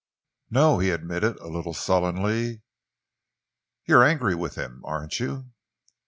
"No," he admitted, a little sullenly. "You're angry with him, aren't you?"